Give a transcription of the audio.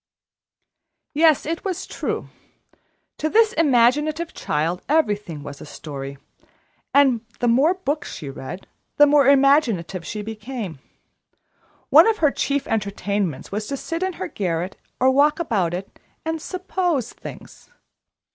Yes, it was true; to this imaginative child everything was a story; and the more books she read, the more imaginative she became. One of her chief entertainments was to sit in her garret, or walk about it, and "suppose" things.